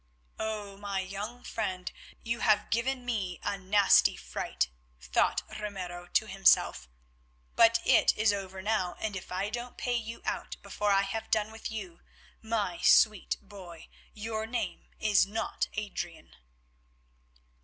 "Oh! my young friend, you have given me a nasty fright," thought Ramiro to himself, "but it is over now, and if I don't pay you out before I have done with you, my sweet boy, your name is not Adrian."